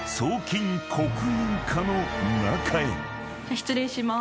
失礼しまーす。